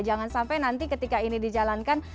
jangan sampai nanti ketika ini dijalankan